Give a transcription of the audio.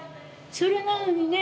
それなのにね